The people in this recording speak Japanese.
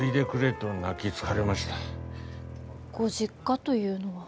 ご実家というのは。